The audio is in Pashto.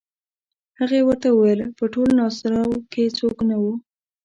هغې ورته وویل په ټول ناصرو کې څوک نه وو.